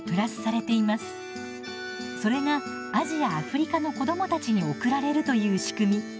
それがアジア・アフリカの子どもたちに送られるという仕組み。